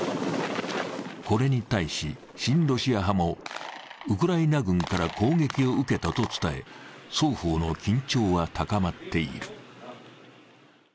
これに対し、親ロシア派もウクライナ軍から攻撃を受けたと伝え、双方の緊張は高まっている。